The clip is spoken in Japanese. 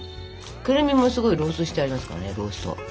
クルミもすごいローストしてありますからねロースト。